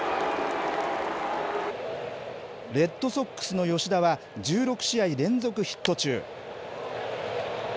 レッドソックスの吉田は、１６試合連続ヒット中。